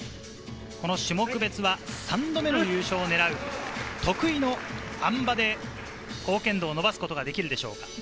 種目別は３度目の優勝を狙う得意のあん馬で貢献度を伸ばすことができるでしょうか？